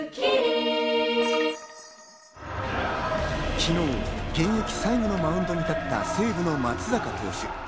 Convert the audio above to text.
昨日、現役最後のマウンドに立った西武の松坂投手。